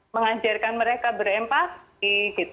mengajarkan mereka berempati